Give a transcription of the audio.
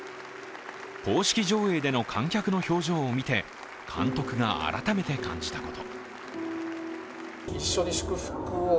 公式上映での観客の表情を見て監督が改めて感じたこと。